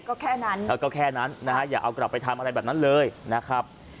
ก็แค่นั้นก็แค่นั้นนะฮะอย่าเอากลับไปทำอะไรแบบนั้นเลยนะครับ